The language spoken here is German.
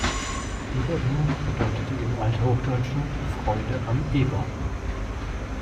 Eberwin bedeutet im althochdeutschen: Freude am Eber.